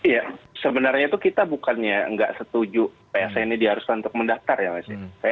ya sebenarnya itu kita bukannya nggak setuju psa ini diharuskan untuk mendaftar ya mas ya